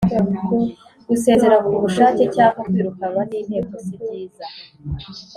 gusezera ku bushake cyangwa kwirukanwa n inteko si byiza